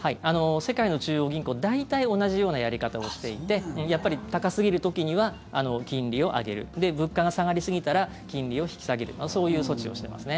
世界の中央銀行大体同じようなやり方をしていてやっぱり高すぎる時には金利を上げる物価が下がりすぎたら金利を引き下げるそういう措置をしてますね。